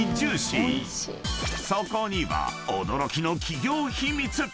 ［そこには驚きの企業秘密！］